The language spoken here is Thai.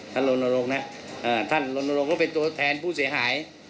ท่านโรนโรงนะฮะอ่าท่านโรนโรงก็เป็นตัวแทนผู้เสียหาย